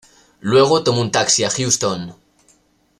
Luego tomó un taxi a Houston.